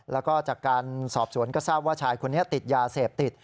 แล้วก็จากการสอบสวนก็ทราบว่าชายคนนี้ติดยาเสพติด